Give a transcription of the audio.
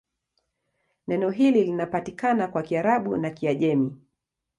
Neno hili linapatikana kwa Kiarabu na Kiajemi.